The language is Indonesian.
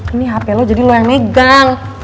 ini hape lo jadi lo yang megang